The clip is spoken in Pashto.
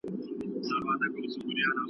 آيا نوی نسل د حالاتو متن ته په رښتيا ننوتلی دی؟